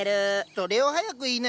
それを早く言いなよ！